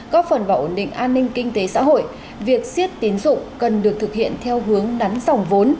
góp phần vào ổn định an ninh kinh tế xã hội việc xiết tín dụng cần được thực hiện theo hướng đắn dòng vốn